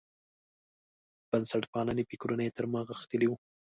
بنسټپالنې فکرونه یې تر ما غښتلي وو.